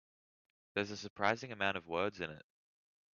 There's a surprising amount of words in it.